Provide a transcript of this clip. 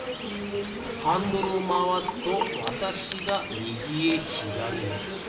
ハンドルをまわすとわたしがみぎへひだりへ。